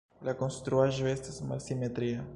La konstruaĵo estas malsimetria.